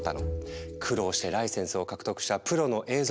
苦労してライセンスを獲得したプロの映像